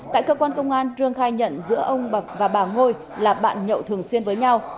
tại cơ quan công an trương khai nhận giữa ông bậc và bà ngôi là bạn nhậu thường xuyên với nhau